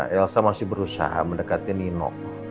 elsa masih berusaha mendekati nino